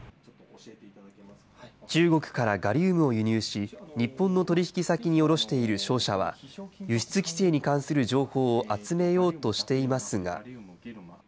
中国からガリウムを輸入し、日本の取り引き先に卸している商社は、輸出規制に関する情報を集めようとしていますが。